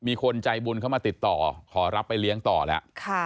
มีคนใจบุญเข้ามาติดต่อขอรับไปเลี้ยงต่อแล้ว